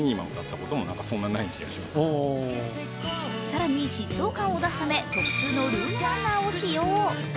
更に疾走感を出すため特注のルームランナーを使用。